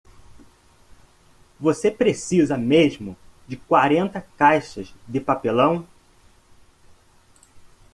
Você precisa mesmo de quarenta caixas de papelão?